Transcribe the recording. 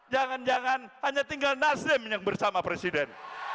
jangan jangan hanya tinggal nasdem yang bersama presiden